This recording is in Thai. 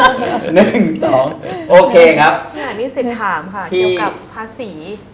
อันนี้สินถามค่ะเกี่ยวกับภาษี